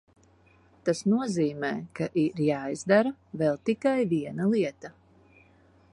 Tas nozīmē, ka ir jāizdara vēl tikai viena lieta.